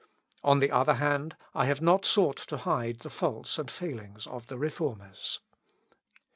On the other hand, I have not sought to hide the faults and failings of the Reformers.